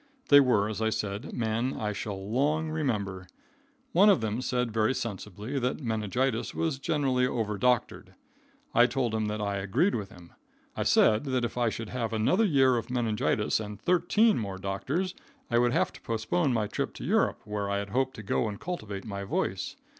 They were, as I said, men I shall long remember. One of them said very sensibly that meningitis was generally over doctored. I told him that I agreed with him. I said that if I should have another year of meningitis and thirteen more doctors, I would have to postpone my trip to Europe, where I had hoped to go and cultivate my voice.